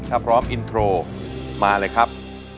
ถ้าพร้อมอินโทรมาเลยครับ